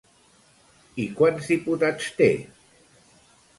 I quants diputats té?